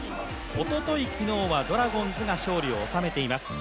おととい、昨日はドラゴンズが勝利を収めています。